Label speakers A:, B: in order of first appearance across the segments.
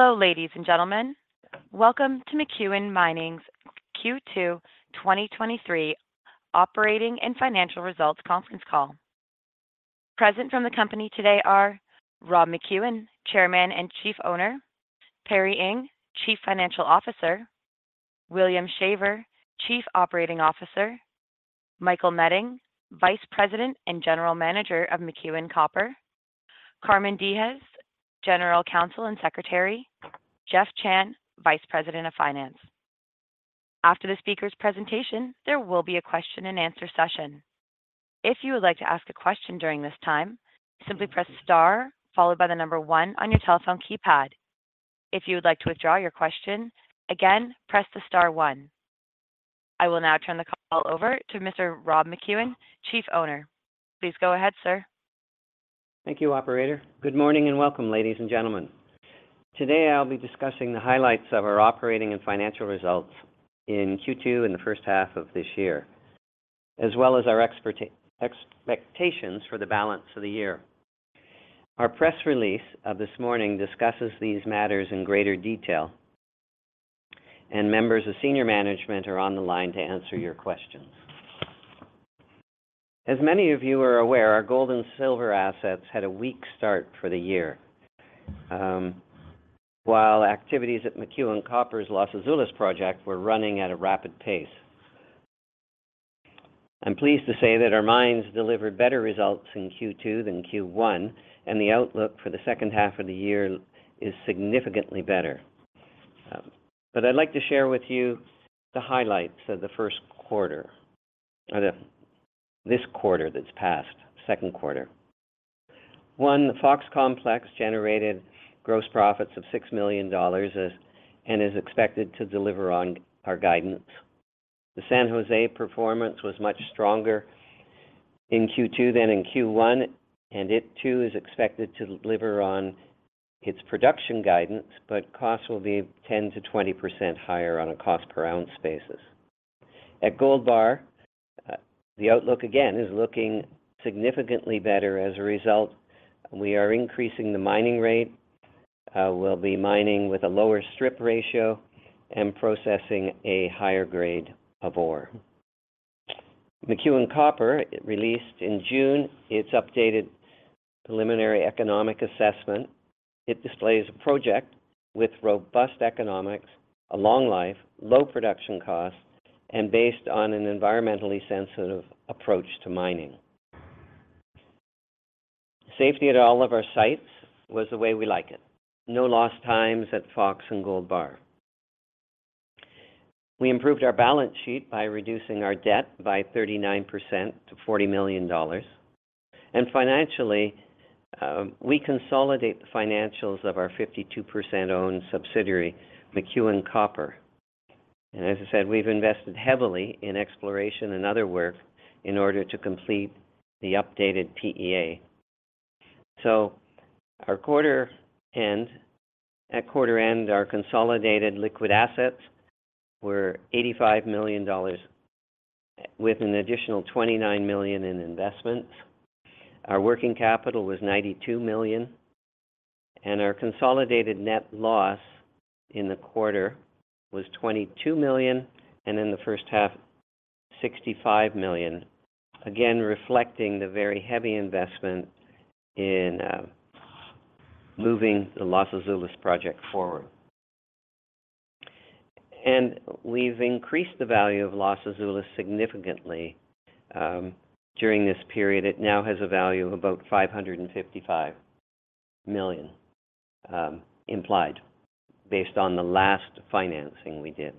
A: Hello, ladies and gentlemen. Welcome to McEwen Mining's Q2 2023 Operating and Financial Results Conference Call. Present from the company today are Rob McEwen, Chairman and Chief Owner, Perry Ing, Chief Financial Officer, William Shaver, Chief Operating Officer, Michael Meding, Vice President and General Manager of McEwen Copper, Carmen Diges, General Counsel and Secretary, Jeff Chan, Vice President of Finance. After the speaker's presentation, there will be a question and answer session. If you would like to ask a question during this time, simply press star followed by one on your telephone keypad. If you would like to withdraw your question again, press the star one. I will now turn the call over to Mr. Rob McEwen, Chief Owner. Please go ahead, sir.
B: Thank you, operator. Good morning, and welcome, ladies and gentlemen. Today I'll be discussing the highlights of our operating and financial results in Q2, in the first half of this year, as well as our expectations for the balance of the year. Our press release of this morning discusses these matters in greater detail, and members of senior management are on the line to answer your questions. As many of you are aware, our gold and silver assets had a weak start for the year, while activities at McEwen Copper's Los Azules project were running at a rapid pace. I'm pleased to say that our mines delivered better results in Q2 than Q1, and the outlook for the second half of the year is significantly better. I'd like to share with you the highlights of the first quarter or this quarter that's passed, second quarter. One, the Fox Complex generated gross profits of $6 million and is expected to deliver on our guidance. The San José performance was much stronger in Q2 than in Q1, and it too is expected to deliver on its production guidance, but costs will be 10%-20% higher on a cost-per-ounce basis. At Gold Bar, the outlook again is looking significantly better. As a result, we are increasing the mining rate. We'll be mining with a lower strip ratio and processing a higher grade of ore. McEwen Copper, it released in June its updated preliminary economic assessment. It displays a project with robust economics, a long life, low production costs, and based on an environmentally sensitive approach to mining. Safety at all of our sites was the way we like it. No lost times at Fox and Gold Bar. We improved our balance sheet by reducing our debt by 39% to $40 million. Financially, we consolidate the financials of our 52% owned subsidiary, McEwen Copper. As I said, we've invested heavily in exploration and other work in order to complete the updated PEA. At quarter end, our consolidated liquid assets were $85 million, with an additional $29 million in investments. Our working capital was $92 million, and our consolidated net loss in the quarter was $22 million, and in the first half, $65 million. Again, reflecting the very heavy investment in moving the Los Azules project forward. We've increased the value of Los Azules significantly during this period. It now has a value of about $555 million implied based on the last financing we did.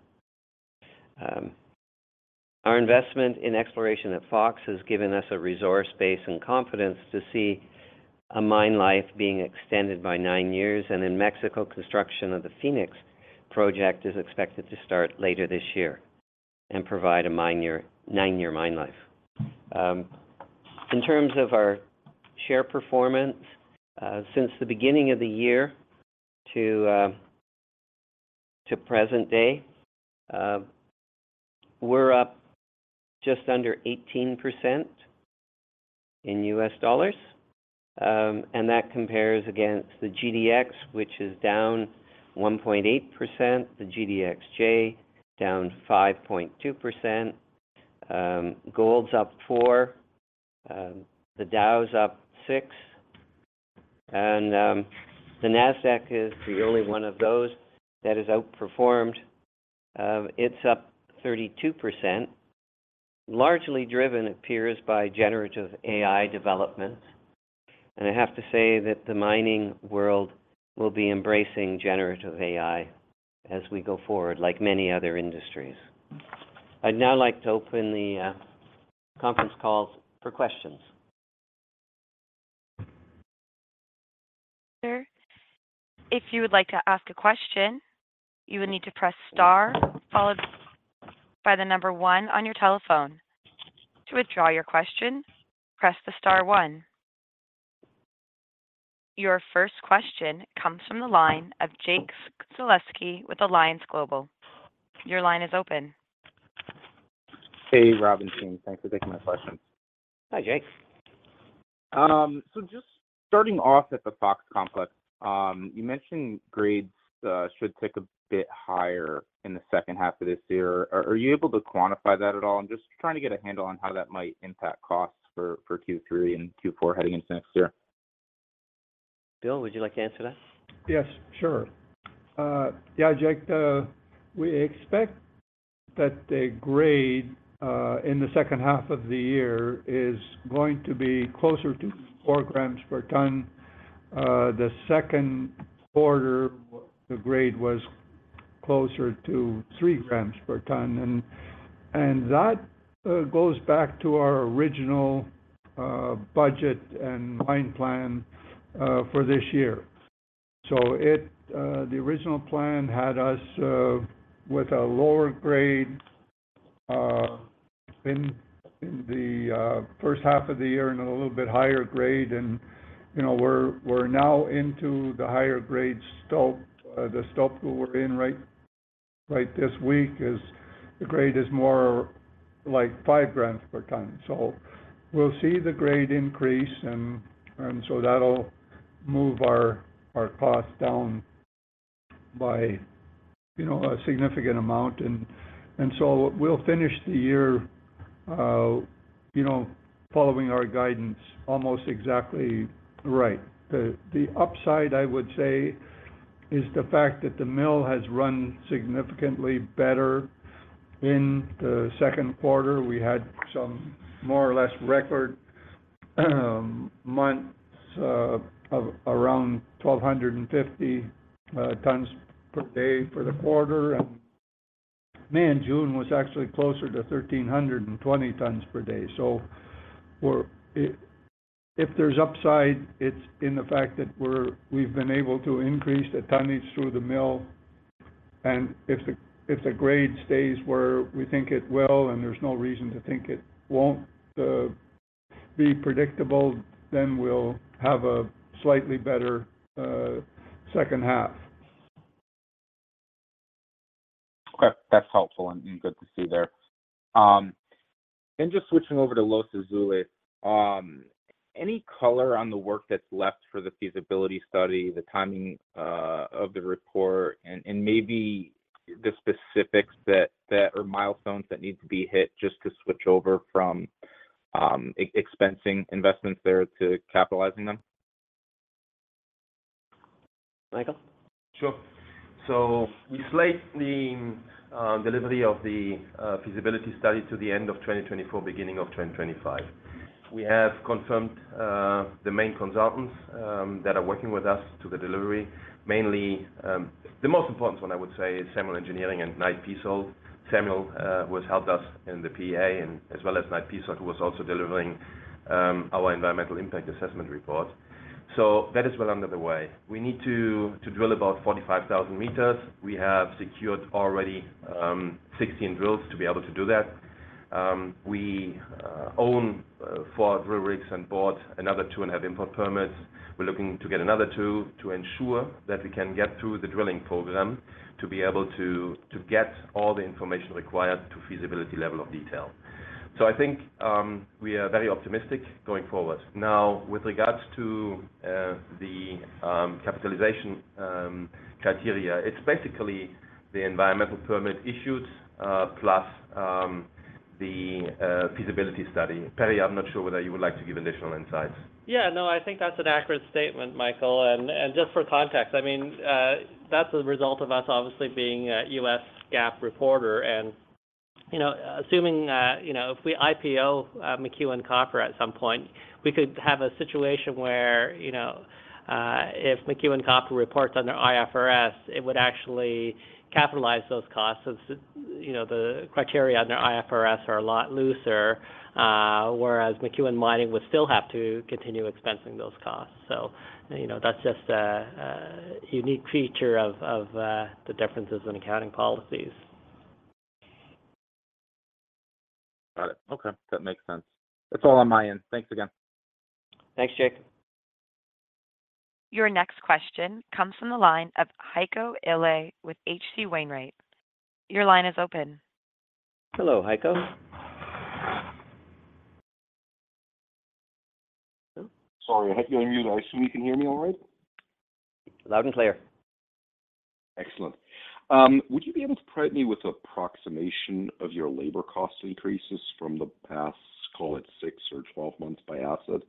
B: Our investment in exploration at Fox has given us a resource base and confidence to see a mine life being extended by nine years, and in Mexico, construction of the Fenix Project is expected to start later this year and provide a nine-year mine life. In terms of our share performance, since the beginning of the year to present day, we're up just under 18% in U.S. dollars. That compares against the GDX, which is down 1.8%, the GDXJ down 5.2%, gold's up 4%, the Dow's up 6%, and the Nasdaq is the only one of those that has outperformed. It's up 32%, largely driven, it appears, by generative AI developments. I have to say that the mining world will be embracing generative AI as we go forward, like many other industries. I'd now like to open the conference call for questions.
A: If you would like to ask a question, you will need to press star, followed by the one on your telephone. To withdraw your question, press the star one. Your first question comes from the line of Jake Sekelsky with Alliance Global. Your line is open.
C: Hey, Rob and team, thanks for taking my question.
B: Hi, Jake.
C: Just starting off at the Fox Complex, you mentioned grades should tick a bit higher in the second half of this year. Are you able to quantify that at all? I'm just trying to get a handle on how that might impact costs for Q3 and Q4 heading into next year.
B: Bill, would you like to answer that?
D: Yes, sure. Yeah, Jake, we expect that the grade in the second half of the year is going to be closer to 4 g per tonne. The second quarter, the grade was closer to 3 g per tonne, and that goes back to our original budget and mine plan for this year. It, the original plan had us with a lower grade in the first half of the year and a little bit higher grade and, you know, we're, we're now into the higher grade stope. The stope that we're in right this week is, the grade is more like 5 g per tonne. We'll see the grade increase, and so that'll move our, our costs down by, you know, a significant amount. So we'll finish the year, you know, following our guidance almost exactly right. The upside, I would say, is the fact that the mill has run significantly better in the second quarter. We had some more or less record months of around 1,250 tonnes per day for the quarter. Man, June was actually closer to 1,320 tonnes per day. If there's upside, it's in the fact that we've been able to increase the tonnage through the mill, and if the, if the grade stays where we think it will, and there's no reason to think it won't be predictable, then we'll have a slightly better second half.
C: Okay. That's helpful and good to see there. Just switching over to Los Azules. Any color on the work that's left for the feasibility study, the timing of the report, and maybe the specifics that or milestones that need to be hit just to switch over from expensing investments there to capitalizing them?
B: Michael?
E: Sure. We slate the delivery of the feasibility study to the end of 2024, beginning of 2025. We have confirmed the main consultants that are working with us to the delivery. Mainly, the most important one, I would say, is Samuel Engineering and Knight Piésold. Samuel, who has helped us in the PEA, and as well as Knight Piésold, who was also delivering our environmental impact assessment report. That is well underway. We need to drill about 45,000 m. We have secured already 16 drills to be able to do that. We own four drill rigs and bought another two and have import permits. We're looking to get another two to ensure that we can get through the drilling program to be able to, to get all the information required to feasibility level of detail. I think, we are very optimistic going forward. Now, with regards to the capitalization criteria, it's basically the environmental permit issues, plus the feasibility study. Perry, I'm not sure whether you would like to give additional insights.
F: Yeah, no, I think that's an accurate statement, Michael. Just for context, I mean, that's a result of us obviously being a U.S. GAAP reporter. You know, assuming that, you know, if we IPO, McEwen Copper at some point, we could have a situation where, you know, if McEwen Copper reports on their IFRS, it would actually capitalize those costs. You know, the criteria on their IFRS are a lot looser, whereas McEwen Mining would still have to continue expensing those costs. You know, that's just a, a unique feature of, of, the differences in accounting policies.
C: Got it. Okay, that makes sense. That's all on my end. Thanks again.
B: Thanks, Jake.
A: Your next question comes from the line of Heiko Ihle with H.C. Wainwright. Your line is open.
B: Hello, Heiko.
G: Sorry, I had you on mute. I assume you can hear me all right?
B: Loud and clear.
G: Excellent. Would you be able to provide me with an approximation of your labor cost increases from the past, call it six or 12 months by asset?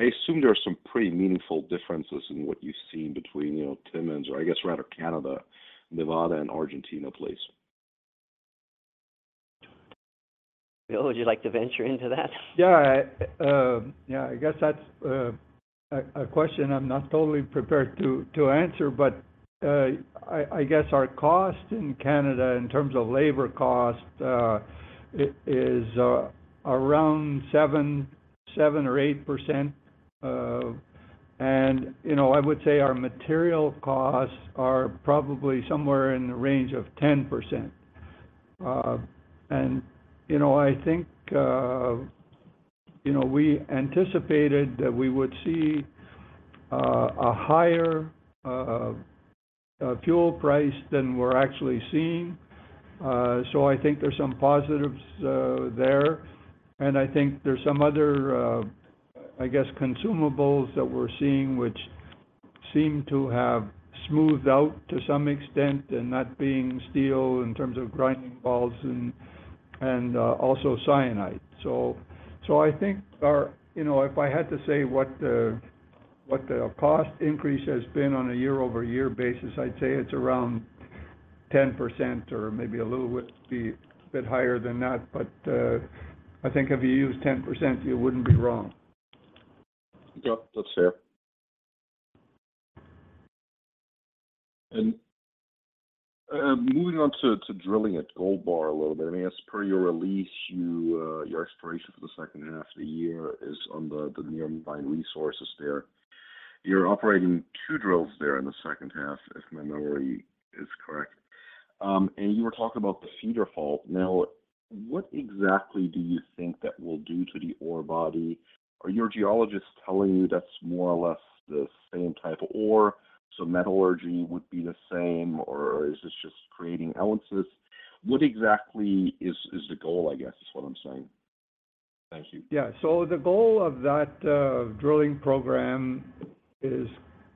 G: I assume there are some pretty meaningful differences in what you've seen between, you know, Timmins or I guess, rather, Canada, Nevada, and Argentina, please.
B: Bill, would you like to venture into that?
D: Yeah, yeah, I guess that's a question I'm not totally prepared to answer. I guess our cost in Canada, in terms of labor cost, it is around 7%-8%. You know, I would say our material costs are probably somewhere in the range of 10%. You know, I think, you know, we anticipated that we would see a higher fuel price than we're actually seeing. I think there's some positives there, and I think there's some other, I guess, consumables that we're seeing, which seem to have smoothed out to some extent, and that being steel in terms of grinding balls and, and, also cyanide. I think you know, if I had to say what the cost increase has been on a year-over-year basis, I'd say it's around 10%, or maybe a little bit higher than that, but I think if you use 10%, you wouldn't be wrong.
G: Yep, that's fair. moving on to, to drilling at Gold Bar a little bit, I mean, as per your release, you, your exploration for the second half of the year is on the, the nearby resources there. You're operating two drills there in the second half, if my memory is correct. you were talking about the feeder fault. Now, what exactly do you think that will do to the ore body? Are your geologists telling you that's more or less the same type of ore, so metallurgy would be the same, or is this just creating ounces? What exactly is, is the goal, I guess, is what I'm saying. Thank you.
D: Yeah. The goal of that drilling program is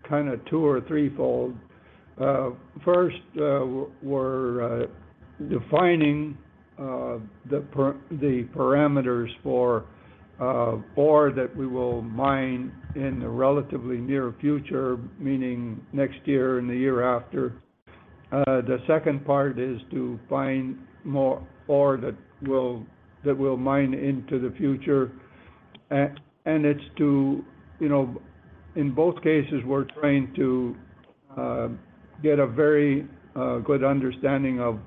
D: kind of two or threefold. First, we're defining the parameters for ore that we will mine in the relatively near future, meaning next year and the year after. The second part is to find more ore that we'll, that we'll mine into the future. You know, in both cases, we're trying to get a very good understanding of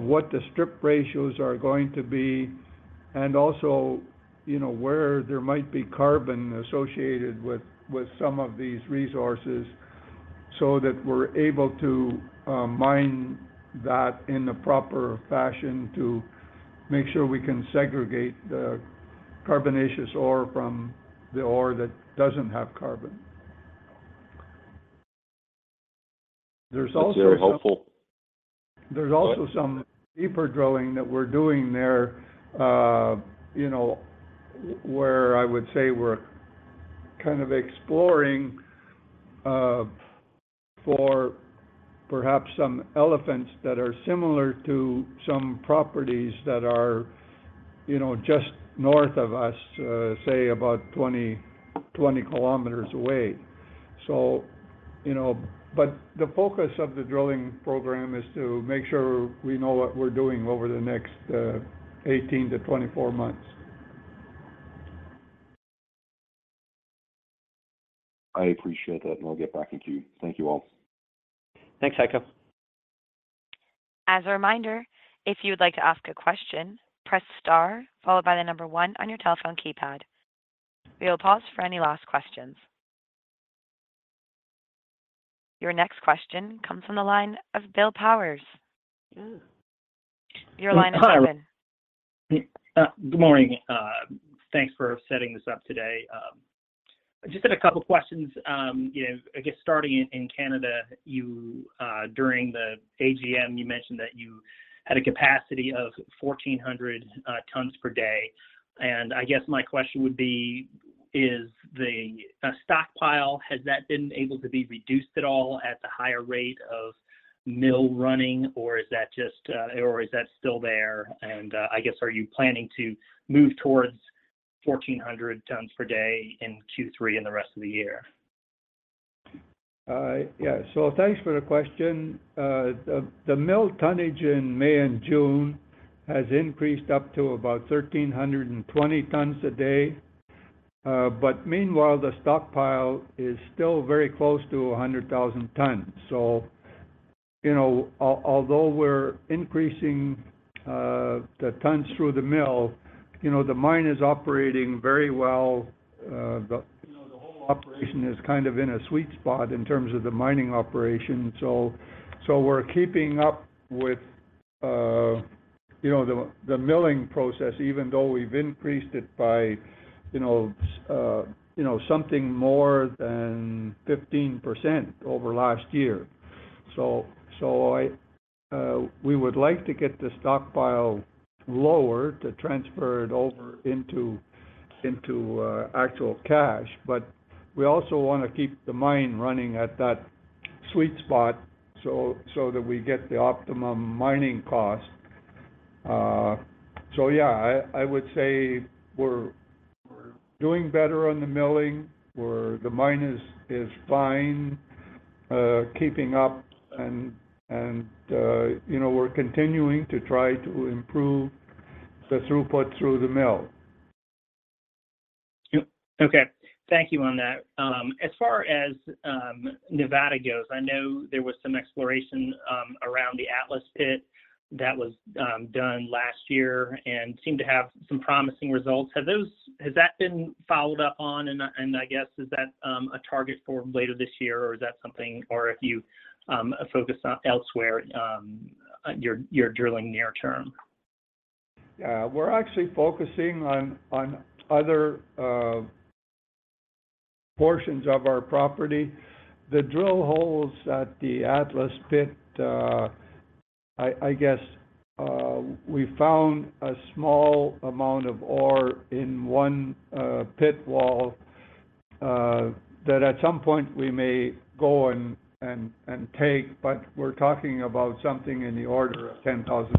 D: what the strip ratios are going to be, and also, you know, where there might be carbon associated with some of these resources, so that we're able to mine that in the proper fashion to make sure we can segregate the carbonaceous ore from the ore that doesn't have carbon. There's also some.
G: That's very helpful.
D: There's also some deeper drilling that we're doing there, you know, where I would say we're kind of exploring, for perhaps some elephants that are similar to some properties that are, you know, just north of us, say about 20 km, 20 km away. You know, but the focus of the drilling program is to make sure we know what we're doing over the next, 18-24 months.
G: I appreciate that, and I'll get back into you. Thank you all.
H: Thanks, Heiko.
A: As a reminder, if you would like to ask a question, press star, followed by the number one on your telephone keypad. We will pause for any last questions. Your next question comes from the line of Bill Powers.
H: Oh.
A: Your line is open.
H: Good morning. Thanks for setting this up today. I just had a couple questions. You know, I guess starting in Canada, you, during the AGM, you mentioned that you had a capacity of 1,400 tonnes per day, and I guess my question would be: Is the stockpile, has that been able to be reduced at all at the higher rate of mill running, or is that just, or is that still there? I guess, are you planning to move towards 1,400 tonnes per day in Q3 and the rest of the year?
D: Yeah. Thanks for the question. The mill tonnage in May and June has increased up to about 1,320 tonnes a day. Meanwhile, the stockpile is still very close to 100,000 tonnes. You know, although we're increasing the tonnes through the mill, you know, the mine is operating very well. You know, the whole operation is kind of in a sweet spot in terms of the mining operation. We're keeping up with, you know, the milling process, even though we've increased it by, you know, something more than 15% over last year. We would like to get the stockpile lower to transfer it over into actual cash. We also want to keep the mine running at that sweet spot, so that we get the optimum mining cost. Yeah, I would say we're doing better on the milling, where the mine is fine, keeping up, and, you know, we're continuing to try to improve the throughput through the mill.
H: Yep. Okay, thank you on that. As far as Nevada goes, I know there was some exploration around the Atlas Pit that was done last year and seemed to have some promising results. Has that been followed up on? I guess, is that a target for later this year, or is that something? Or if you are focused on elsewhere, your drilling near term?
D: We're actually focusing on, on other portions of our property. The drill holes at the Atlas Pit, I guess, we found a small amount of ore in one pit wall that at some point we may go and, and, and take, but we're talking about something in the order of $10,000.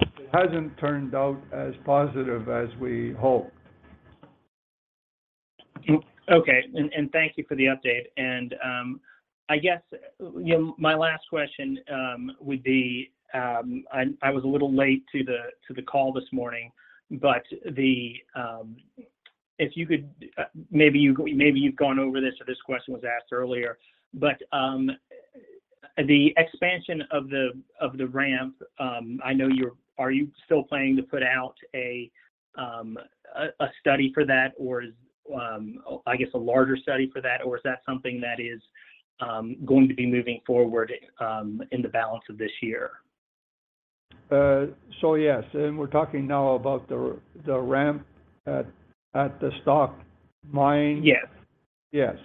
D: It hasn't turned out as positive as we hoped.
H: Okay, and, and thank you for the update. I guess, my last question, would be, and I was a little late to the, to the call this morning, but the, if you could, maybe you, maybe you've gone over this, or this question was asked earlier, but, the expansion of the, of the ramp, I know, are you still planning to put out a, a, a study for that? Or is, I guess, a larger study for that, or is that something that is, going to be moving forward, in the balance of this year?
D: Yes, and we're talking now about the ramp at the Stock Mine.
H: Yes.
D: Yes,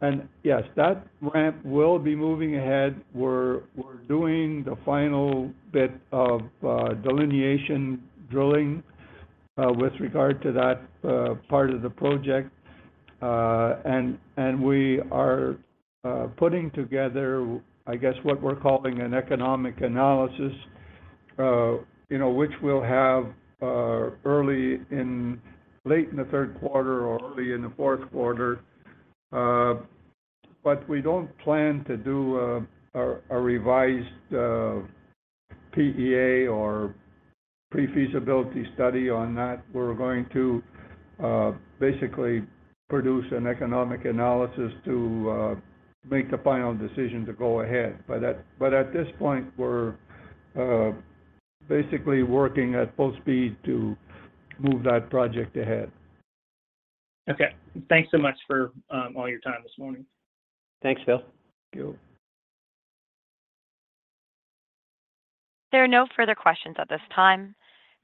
D: and yes, that ramp will be moving ahead. We're, we're doing the final bit of delineation drilling with regard to that part of the project. We are putting together, I guess, what we're calling an economic analysis, you know, which we'll have late in the third quarter or early in the fourth quarter. We don't plan to do a revised PEA or pre-feasibility study on that. We're going to basically produce an economic analysis to make the final decision to go ahead. At this point, we're basically working at full speed to move that project ahead.
H: Okay. Thanks so much for all your time this morning.
B: Thanks, Bill.
D: Thank you.
A: There are no further questions at this time.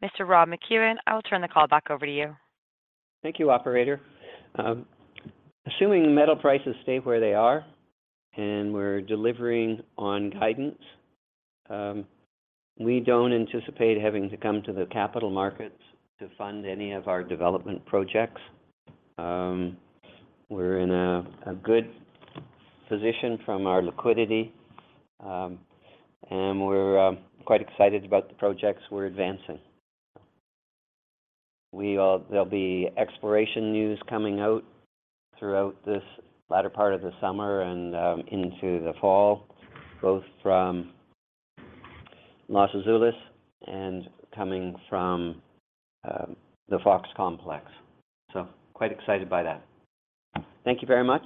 A: Mr. Rob McEwen, I will turn the call back over to you.
B: Thank you, operator. Assuming metal prices stay where they are and we're delivering on guidance, we don't anticipate having to come to the capital markets to fund any of our development projects. We're in a good position from our liquidity, and we're quite excited about the projects we're advancing. We. There'll be exploration news coming out throughout this latter part of the summer and into the fall, both from Los Azules and coming from the Fox Complex. Quite excited by that. Thank you very much,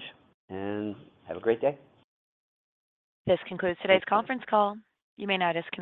B: and have a great day.
A: This concludes today's conference call. You may now disconnect.